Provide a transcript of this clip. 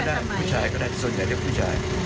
ผู้หญิงก็ได้ผู้ชายก็ได้ส่วนใหญ่เรียกผู้ชาย